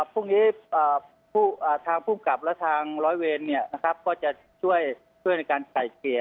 ภูมินี้ทางผู้มกลับและทางร้อยเวนก็จะช่วยในการใส่เกลี่ย